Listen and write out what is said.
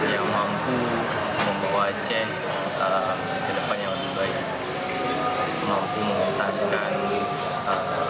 yang mampu membawa aceh ke depan yang lebih baik